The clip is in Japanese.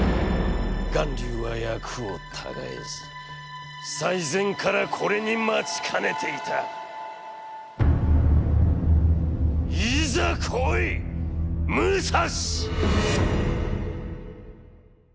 巌流は約を違えず、最前からこれに待ちかねて居た』『』」。「『ーいざ来いっ、武蔵！』」。